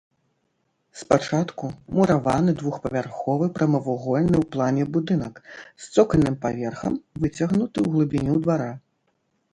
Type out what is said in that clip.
Спачатку мураваны двухпавярховы прамавугольны ў плане будынак з цокальным паверхам, выцягнуты ў глыбіню двара.